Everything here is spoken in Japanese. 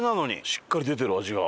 しっかり出てる味が。